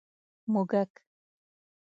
🐁 موږک